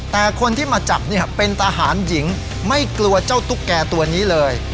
แต่คนที่มาจับเนี่ยเป็นทหารหญิงไม่กลัวเจ้าตุ๊กแก่ตัวนี้เลย